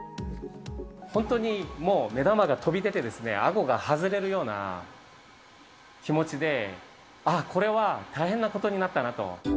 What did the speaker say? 本当にもう目玉が飛び出て、あごが外れるような気持ちで、ああ、これは大変なことになったなと。